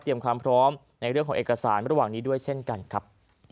ความพร้อมในเรื่องของเอกสารระหว่างนี้ด้วยเช่นกันครับ